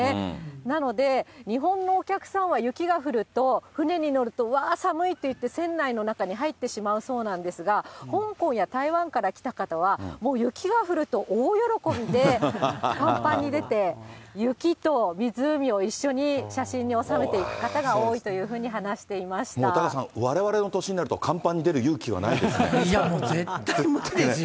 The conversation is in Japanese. なので、日本のお客さんは、雪が降ると、船に乗ると、わーっ、寒いって言って船内の中に入ってしまうそうなんですが、香港や台湾から来た方は、もう雪が降ると大喜びで、甲板に出て、雪と湖を一緒に写真に収めている方が多いというふうに話していまもうタカさん、われわれの年になると、いやもう、絶対無理ですよ。